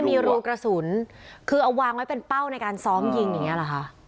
อ๋อมีรูกระสุนคือเอาไว้เป้าในการซ้อมยิงอย่างนั้นแหละค่ะ